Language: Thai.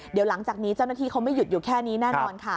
เดี๋ยวหลังจากนี้เจ้าหน้าที่เขาไม่หยุดอยู่แค่นี้แน่นอนค่ะ